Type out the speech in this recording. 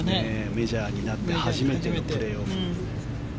メジャーになって初めてのプレーオフ。